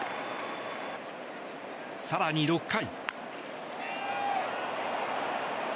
更に６回。